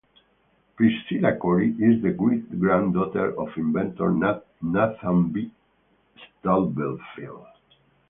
Priscilla Cory is the great grand daughter of inventor Nathan B. Stubblefield.